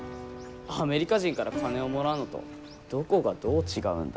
アメリカ人から金をもらうのとどこがどう違うんだ？